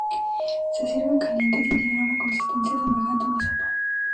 Se sirven calientes y tienen una consistencia semejante a una sopa.